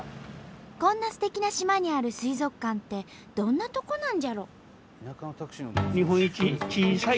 こんなすてきな島にある水族館ってどんなとこなんじゃろ？